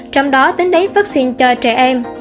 trong đó tính đánh vaccine cho trẻ em